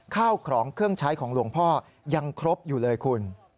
ข้าวของเครื่องใช้ของหลวงพ่อยังครบอยู่เลยคุณ